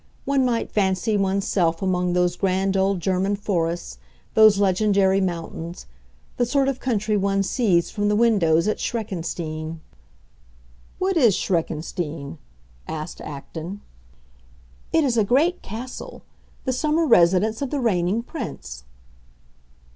One might fancy one's self among those grand old German forests, those legendary mountains; the sort of country one sees from the windows at Schreckenstein." "What is Schreckenstein?" asked Acton. "It is a great castle,—the summer residence of the Reigning Prince."